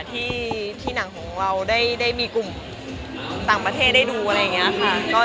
ที่หนังของเราได้มีกลุ่มต่างประเทศได้ดูอะไรอย่างนี้ค่ะ